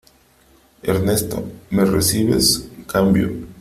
Ernesto ,¿ me recibes ? cambio .